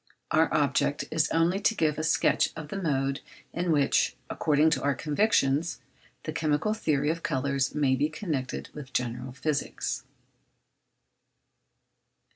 Our object is only to give a sketch of the mode in which, according to our conviction, the chemical theory of colours may be connected with general physics.